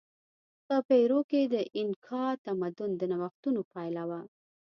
په پیرو کې د اینکا تمدن د نوښتونو پایله وه.